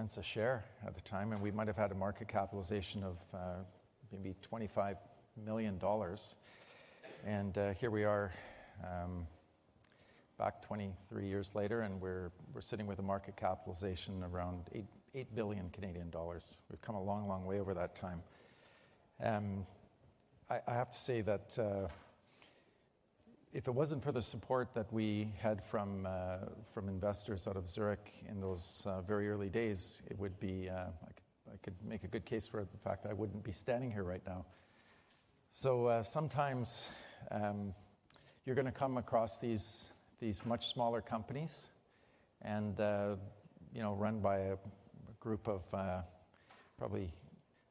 Cents a share at the time, and we might have had a market capitalization of maybe $25 million. And here we are back 23 years later, and we're sitting with a market capitalization around $8 billion. We've come a long, long way over that time. I have to say that if it wasn't for the support that we had from investors out of Zurich in those very early days, I could make a good case for the fact that I wouldn't be standing here right now. So sometimes you're going to come across these much smaller companies run by a group of probably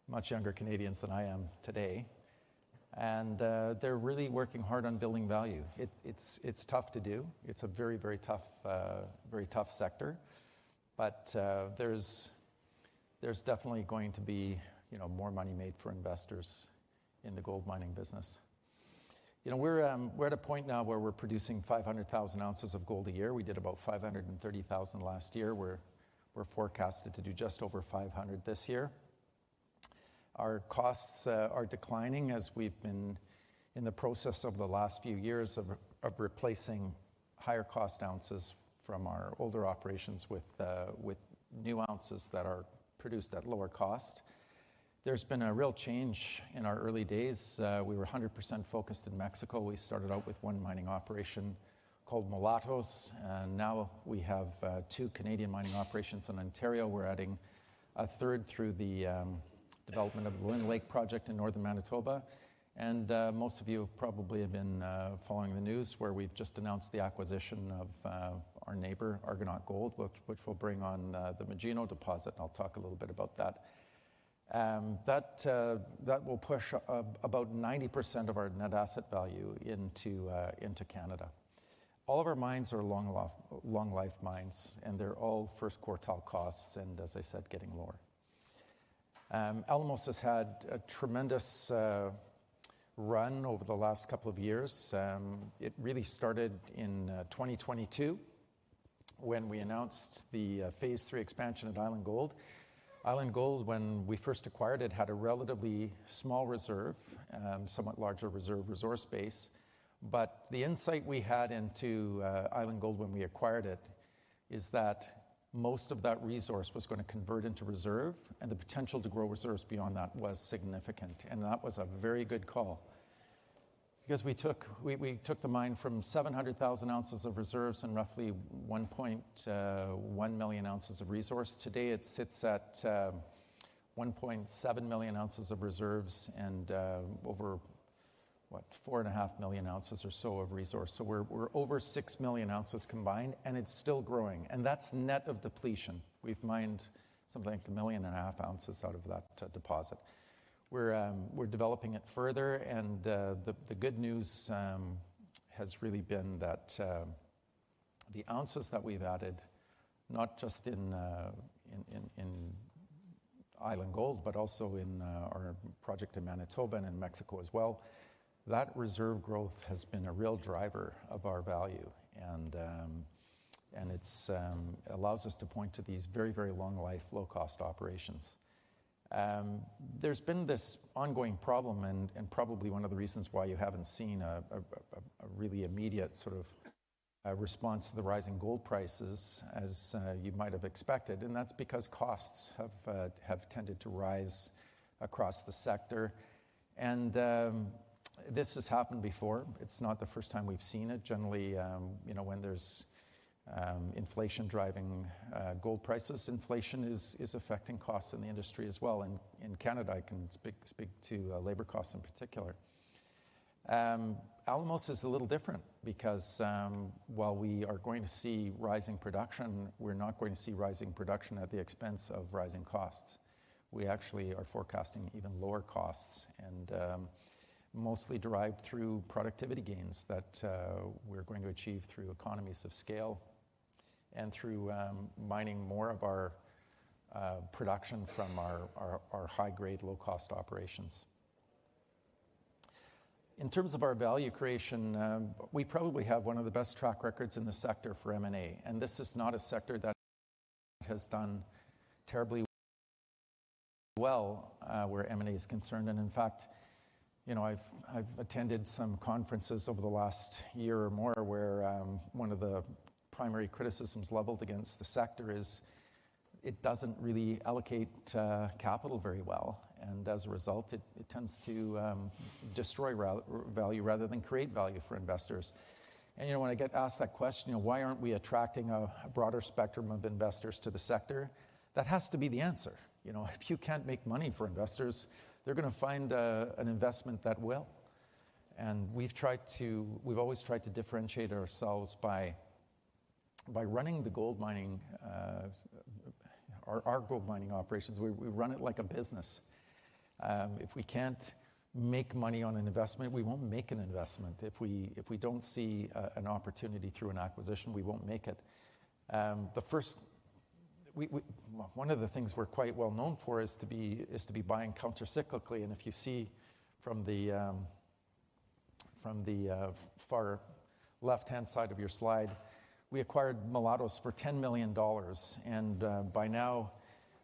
much younger Canadians than I am today, and they're really working hard on building value. It's tough to do. It's a very, very tough sector. But there's definitely going to be more money made for investors in the gold mining business. We're at a point now where we're producing 500,000 ounces of gold a year. We did about 530,000 last year. We're forecasted to do just over 500 this year. Our costs are declining as we've been in the process of the last few years of replacing higher-cost ounces from our older operations with new ounces that are produced at lower cost. There's been a real change in our early days. We were 100% focused in Mexico. We started out with one mining operation called Mulatos, and now we have two Canadian mining operations in Ontario. We're adding a third through the development of the Lynn Lake project in northern Manitoba. And most of you probably have been following the news where we've just announced the acquisition of our neighbor, Argonaut Gold, which will bring on the Magino deposit. And I'll talk a little bit about that. That will push about 90% of our net asset value into Canada. All of our mines are long-life mines, and they're all first-quartile costs and, as I said, getting lower. Alamos has had a tremendous run over the last couple of years. It really started in 2022 when we announced the Phase 3 Expansion at Island Gold. Island Gold, when we first acquired it, had a relatively small reserve, somewhat larger reserve resource base. But the insight we had into Island Gold when we acquired it is that most of that resource was going to convert into reserve, and the potential to grow reserves beyond that was significant. And that was a very good call because we took the mine from 700,000 ounces of reserves and roughly 1.1 million ounces of resource. Today, it sits at 1.7 million ounces of reserves and over, what, 4.5 million ounces or so of resource. So we're over 6 million ounces combined, and it's still growing. And that's net of depletion. We've mined something like 1.5 million ounces out of that deposit. We're developing it further. And the good news has really been that the ounces that we've added, not just in Island Gold but also in our project in Manitoba and in Mexico as well, that reserve growth has been a real driver of our value, and it allows us to point to these very, very long-life, low-cost operations. There's been this ongoing problem and probably one of the reasons why you haven't seen a really immediate sort of response to the rising gold prices, as you might have expected. That's because costs have tended to rise across the sector. This has happened before. It's not the first time we've seen it. Generally, when there's inflation driving gold prices, inflation is affecting costs in the industry as well. In Canada, I can speak to labor costs in particular. Alamos is a little different because while we are going to see rising production, we're not going to see rising production at the expense of rising costs. We actually are forecasting even lower costs and mostly derived through productivity gains that we're going to achieve through economies of scale and through mining more of our production from our high-grade, low-cost operations. In terms of our value creation, we probably have one of the best track records in the sector for M&A. This is not a sector that has done terribly well where M&A is concerned. In fact, I've attended some conferences over the last year or more where one of the primary criticisms leveled against the sector is it doesn't really allocate capital very well. As a result, it tends to destroy value rather than create value for investors. When I get asked that question, "Why aren't we attracting a broader spectrum of investors to the sector?" that has to be the answer. If you can't make money for investors, they're going to find an investment that will. We've always tried to differentiate ourselves by running our gold mining operations. We run it like a business. If we can't make money on an investment, we won't make an investment. If we don't see an opportunity through an acquisition, we won't make it. One of the things we're quite well known for is to be buying countercyclically. If you see from the far left-hand side of your slide, we acquired Mulatos for $10 million. By now,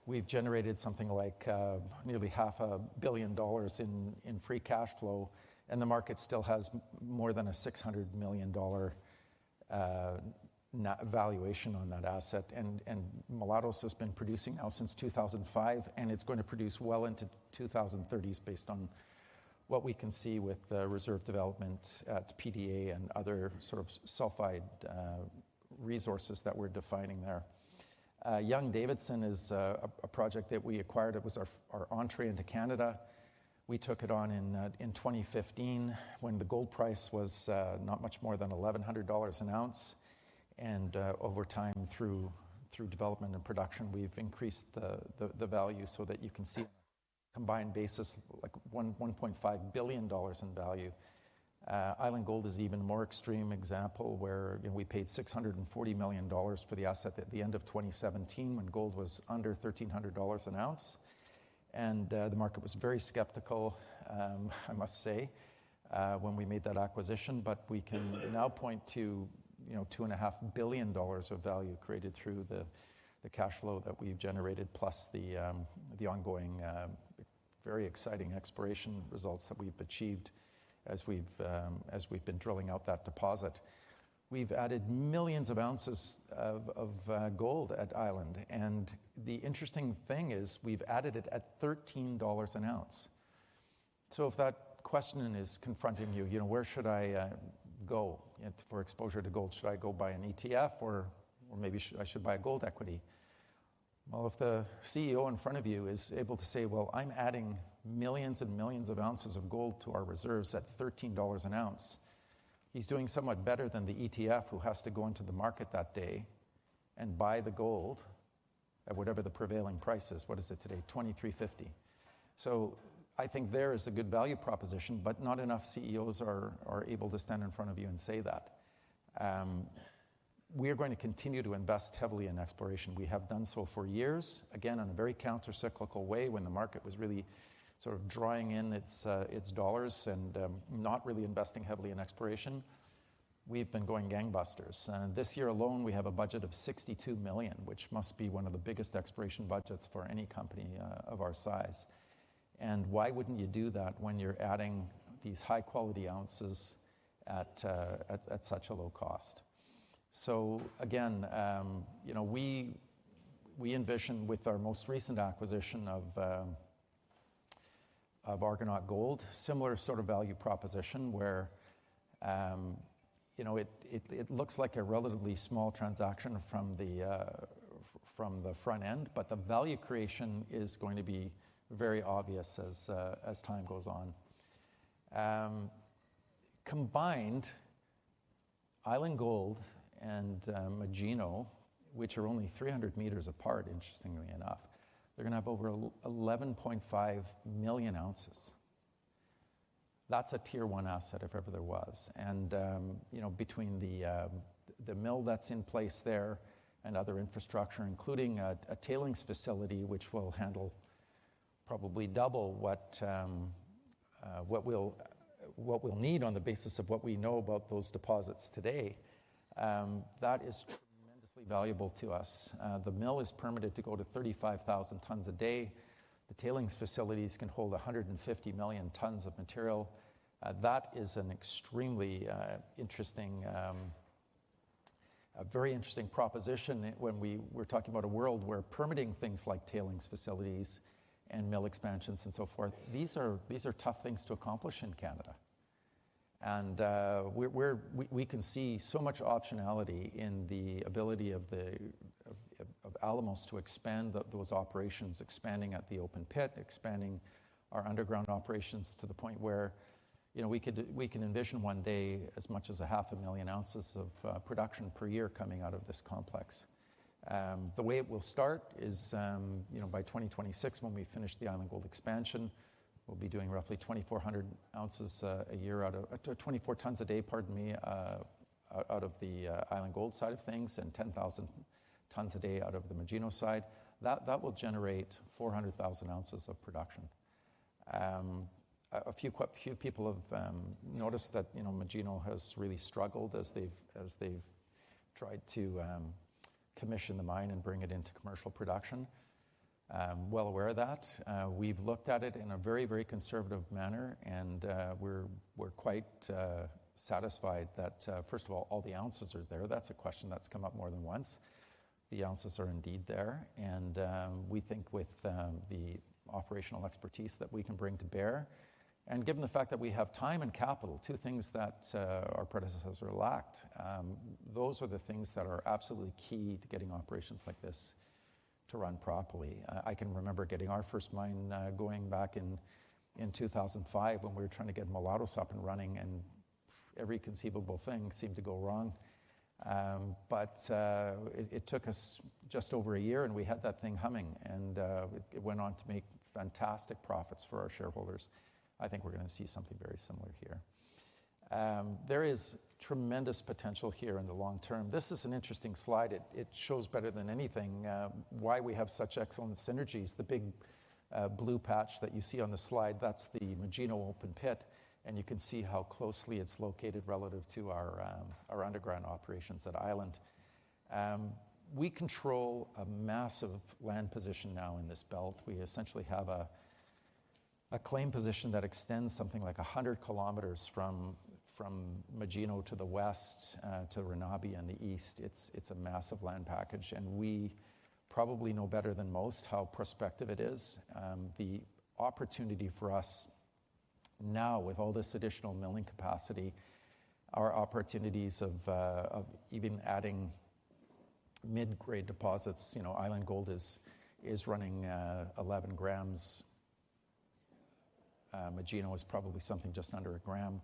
we've generated something like nearly $500 million in free cash flow. The market still has more than a $600 million valuation on that asset. Mulatos has been producing now since 2005, and it's going to produce well into 2030s based on what we can see with reserve development at PDA and other sort of sulfide resources that we're defining there. Young-Davidson is a project that we acquired. It was our entry into Canada. We took it on in 2015 when the gold price was not much more than $1,100 an ounce. Over time, through development and production, we've increased the value so that you can see on a combined basis like $1.5 billion in value. Island Gold is an even more extreme example where we paid $640 million for the asset at the end of 2017 when gold was under $1,300 an ounce. The market was very skeptical, I must say, when we made that acquisition. We can now point to $2.5 billion of value created through the cash flow that we've generated plus the ongoing, very exciting exploration results that we've achieved as we've been drilling out that deposit. We've added millions of ounces of gold at Island. The interesting thing is we've added it at $13 an ounce. If that question is confronting you, "Where should I go for exposure to gold? Should I go buy an ETF, or maybe I should buy a gold equity?" Well, if the CEO in front of you is able to say, "Well, I'm adding millions and millions of ounces of gold to our reserves at $13 an ounce," he's doing somewhat better than the ETF who has to go into the market that day and buy the gold at whatever the prevailing price is. What is it today? $2,350. So I think there is a good value proposition, but not enough CEOs are able to stand in front of you and say that. We are going to continue to invest heavily in exploration. We have done so for years, again, in a very countercyclical way. When the market was really sort of drawing in its dollars and not really investing heavily in exploration, we've been going gangbusters. This year alone, we have a budget of $62 million, which must be one of the biggest exploration budgets for any company of our size. Why wouldn't you do that when you're adding these high-quality ounces at such a low cost? Again, we envision with our most recent acquisition of Argonaut Gold a similar sort of value proposition where it looks like a relatively small transaction from the front end, but the value creation is going to be very obvious as time goes on. Combined, Island Gold and Magino, which are only 300 meters apart, interestingly enough, they're going to have over 11.5 million ounces. That's a Tier one asset, if ever there was. Between the mill that's in place there and other infrastructure, including a tailings facility, which will handle probably double what we'll need on the basis of what we know about those deposits today, that is tremendously valuable to us. The mill is permitted to go to 35,000 tons a day. The tailings facilities can hold 150 million tons of material. That is a very interesting proposition when we're talking about a world where permitting things like tailings facilities and mill expansions and so forth, these are tough things to accomplish in Canada. We can see so much optionality in the ability of Alamos to expand those operations, expanding at the open pit, expanding our underground operations to the point where we can envision one day as much as 500,000 ounces of production per year coming out of this complex. The way it will start is by 2026, when we finish the Island Gold expansion, we'll be doing roughly 2,400 ounces a year out of 24 tons a day, pardon me, out of the Island Gold side of things and 10,000 tons a day out of the Magino side. That will generate 400,000 ounces of production. A few people have noticed that Magino has really struggled as they've tried to commission the mine and bring it into commercial production, well aware of that. We've looked at it in a very, very conservative manner, and we're quite satisfied that, first of all, all the ounces are there. That's a question that's come up more than once. The ounces are indeed there. We think with the operational expertise that we can bring to bear and given the fact that we have time and capital, two things that our predecessors lacked, those are the things that are absolutely key to getting operations like this to run properly. I can remember getting our first mine going back in 2005 when we were trying to get Mulatos up and running, and every conceivable thing seemed to go wrong. But it took us just over a year, and we had that thing humming, and it went on to make fantastic profits for our shareholders. I think we're going to see something very similar here. There is tremendous potential here in the long term. This is an interesting slide. It shows better than anything why we have such excellent synergies. The big blue patch that you see on the slide, that's the Magino open pit. You can see how closely it's located relative to our underground operations at Island. We control a massive land position now in this belt. We essentially have a claim position that extends something like 100 km from Magino to the west to Renabie in the east. It's a massive land package. And we probably know better than most how prospective it is. The opportunity for us now, with all this additional milling capacity, our opportunities of even adding mid-grade deposits, Island Gold is running 11 grams. Magino is probably something just under a gram.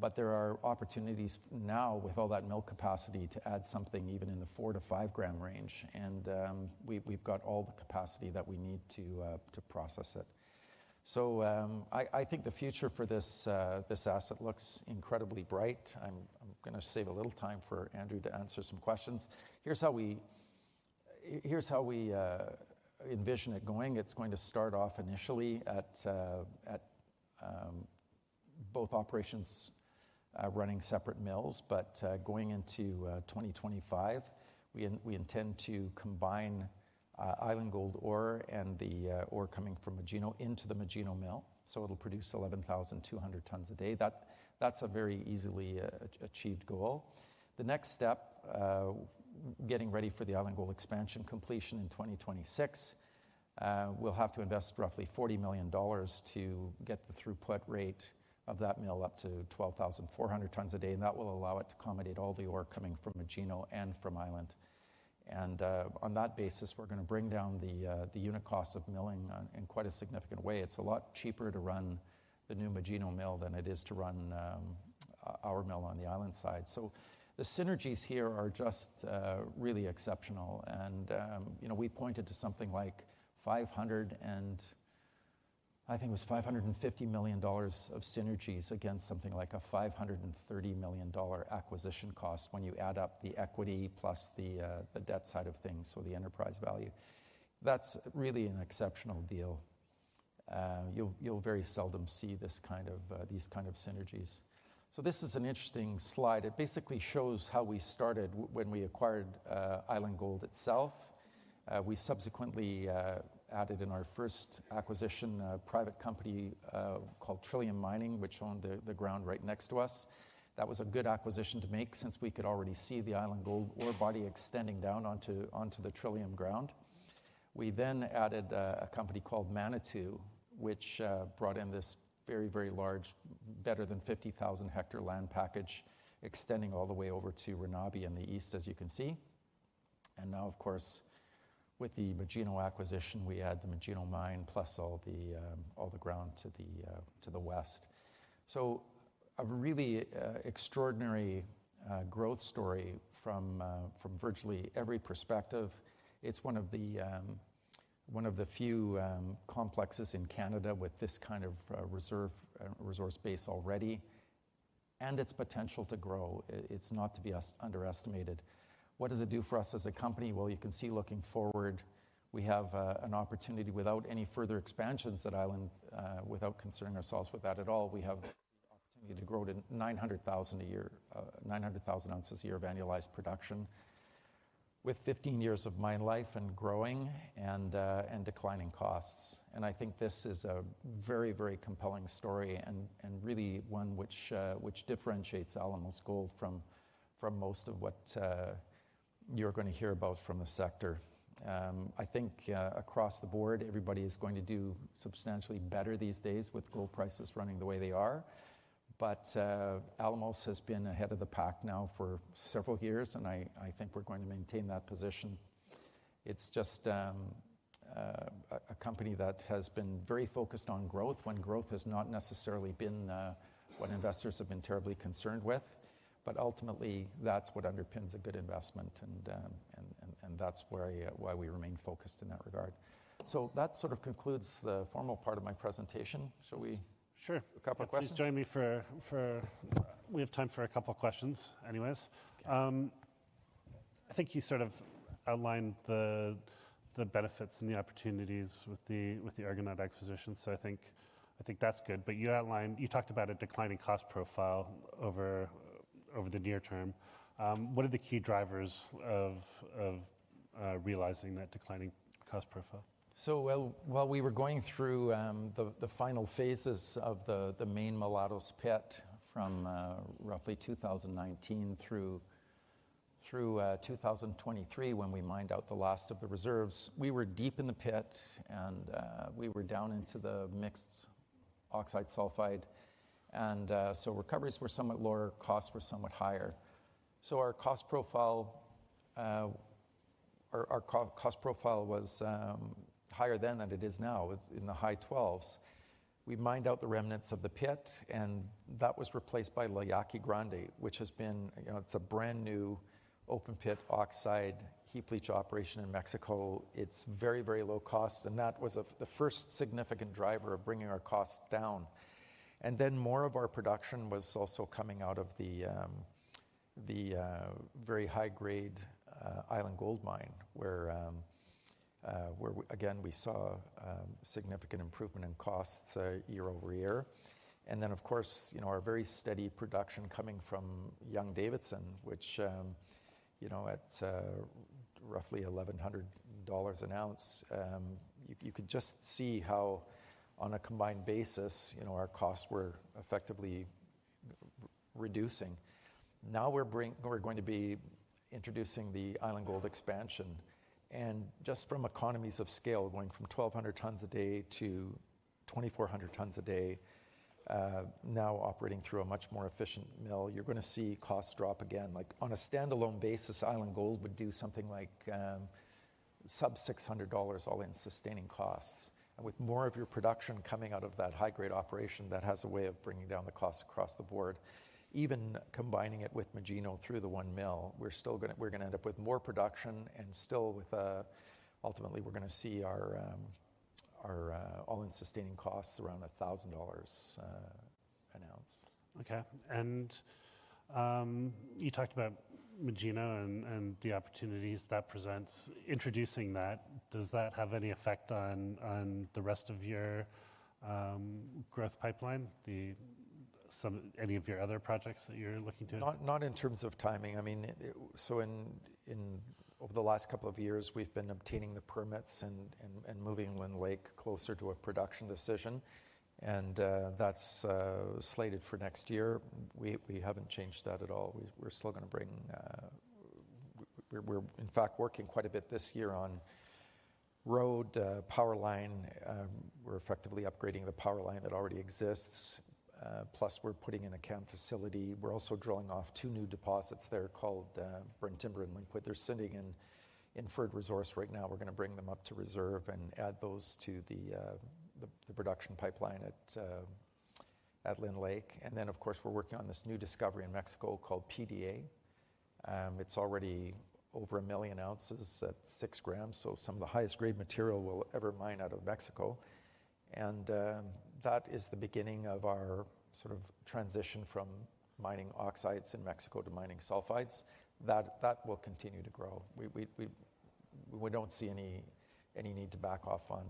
But there are opportunities now, with all that mill capacity, to add something even in the 4-5 gram range. And we've got all the capacity that we need to process it. So I think the future for this asset looks incredibly bright. I'm going to save a little time for Andrew to answer some questions. Here's how we envision it going. It's going to start off initially at both operations running separate mills. But going into 2025, we intend to combine Island Gold ore and the ore coming from Magino into the Magino mill. So it'll produce 11,200 tons a day. That's a very easily achieved goal. The next step, getting ready for the Island Gold expansion completion in 2026, we'll have to invest roughly $40 million to get the throughput rate of that mill up to 12,400 tons a day. And that will allow it to accommodate all the ore coming from Magino and from Island. And on that basis, we're going to bring down the unit cost of milling in quite a significant way. It's a lot cheaper to run the new Magino mill than it is to run our mill on the Island side. So the synergies here are just really exceptional. And we pointed to something like $500 million and I think it was $550 million of synergies against something like a $530 million acquisition cost when you add up the equity plus the debt side of things, so the enterprise value. That's really an exceptional deal. You'll very seldom see these kinds of synergies. So this is an interesting slide. It basically shows how we started when we acquired Island Gold itself. We subsequently added in our first acquisition a private company called Trillium Mining, which owned the ground right next to us. That was a good acquisition to make since we could already see the Island Gold ore body extending down onto the Trillium ground. We then added a company called Manitou, which brought in this very, very large, better than 50,000-hectare land package extending all the way over to Renabie in the east, as you can see. Now, of course, with the Magino acquisition, we add the Magino mine plus all the ground to the west. A really extraordinary growth story from virtually every perspective. It's one of the few complexes in Canada with this kind of resource base already. Its potential to grow, it's not to be underestimated. What does it do for us as a company? Well, you can see looking forward, we have an opportunity without any further expansions at Island, without concerning ourselves with that at all. We have the opportunity to grow to 900,000 ounces a year of annualized production with 15 years of mine life and growing and declining costs. And I think this is a very, very compelling story and really one which differentiates Alamos Gold from most of what you're going to hear about from the sector. I think across the board, everybody is going to do substantially better these days with gold prices running the way they are. But Alamos has been ahead of the pack now for several years, and I think we're going to maintain that position. It's just a company that has been very focused on growth when growth has not necessarily been what investors have been terribly concerned with. But ultimately, that's what underpins a good investment. And that's why we remain focused in that regard. So that sort of concludes the formal part of my presentation. Shall we? Sure. A couple of questions? Just join me, for we have time for a couple of questions anyways. I think you sort of outlined the benefits and the opportunities with the Argonaut acquisition. So I think that's good. But you talked about a declining cost profile over the near term. What are the key drivers of realizing that declining cost profile? So while we were going through the final phases of the main Mulatos pit from roughly 2019 through 2023 when we mined out the last of the reserves, we were deep in the pit, and we were down into the mixed oxide sulfide. And so recoveries were somewhat lower, costs were somewhat higher. So our cost profile was higher than it is now, in the high $1,200s. We mined out the remnants of the pit, and that was replaced by La Yaqui Grande, which has been—it's a brand new open pit oxide heap leach operation in Mexico. It's very, very low cost. And that was the first significant driver of bringing our costs down. And then more of our production was also coming out of the very high-grade Island Gold mine, where, again, we saw significant improvement in costs year-over-year. And then, of course, our very steady production coming from Young-Davidson, which at roughly $1,100 an ounce, you could just see how, on a combined basis, our costs were effectively reducing. Now we're going to be introducing the Island Gold expansion. And just from economies of scale, going from 1,200 tons a day to 2,400 tons a day, now operating through a much more efficient mill, you're going to see costs drop again. On a standalone basis, Island Gold would do something like sub-$600 all-in sustaining costs. And with more of your production coming out of that high-grade operation, that has a way of bringing down the costs across the board. Even combining it with Magino through the one mill, we're going to end up with more production and still, ultimately, we're going to see our all-in sustaining costs around $1,000 an ounce. Okay. You talked about Magino and the opportunities that presents. Introducing that, does that have any effect on the rest of your growth pipeline, any of your other projects that you're looking to? Not in terms of timing. I mean, so over the last couple of years, we've been obtaining the permits and moving Lynn Lake closer to a production decision. And that's slated for next year. We haven't changed that at all. We're still going to bring, in fact, working quite a bit this year on road, power line. We're effectively upgrading the power line that already exists. Plus, we're putting in a camp facility. We're also drilling off two new deposits there called Burnt Timber and Linkwood. They're sitting in inferred resource right now. We're going to bring them up to reserve and add those to the production pipeline at Lynn Lake. And then, of course, we're working on this new discovery in Mexico called PDA. It's already over a million ounces at six grams. So some of the highest-grade material we'll ever mine out of Mexico. And that is the beginning of our sort of transition from mining oxides in Mexico to mining sulfides. That will continue to grow. We don't see any need to back off on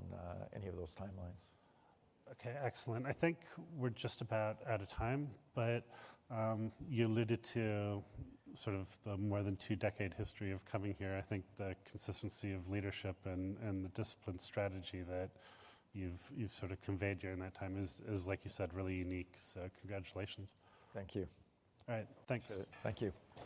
any of those timelines. Okay. Excellent. I think we're just about out of time. But you alluded to sort of the more than two-decade history of coming here. I think the consistency of leadership and the disciplined strategy that you've sort of conveyed during that time is, like you said, really unique. Congratulations. Thank you. All right. Thanks. Thank you.